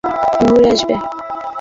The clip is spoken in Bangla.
কথা দাও সবসময় ঘুরে আসবে।